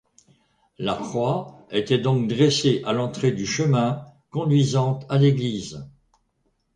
La croix était donc dressée à l'entrée du chemin conduisant à l'église.